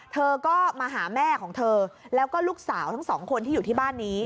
เธอก็มาหาแม่ของเธอแล้วก็ลูกสาวทั้งสองคนที่อยู่ที่บ้านนี้